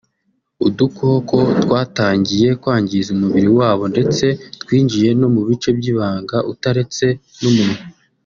udukoko twatangiye kwangiza umubiri wabo ndetse twinjiye no mu bice by’ibanga utaretse n’umunwa